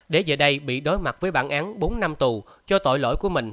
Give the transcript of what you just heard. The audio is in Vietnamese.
để giờ đây bị đối mặt với bản án bốn năm tù cho tội lỗi của mình